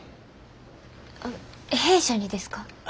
弊社にですか？